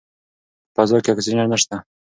په فضا کې اکسیجن نشته.